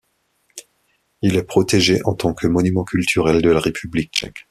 Il est protégé en tant que monument culturel de la République tchèque.